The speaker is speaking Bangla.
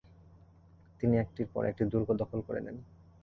তিনি একটির পর একটি দুর্গ দখল করে নেন।